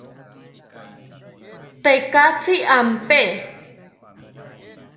Tekatzi ampe